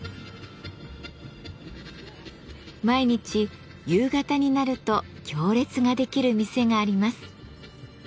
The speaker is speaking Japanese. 毎日夕方になると行列ができる店があります。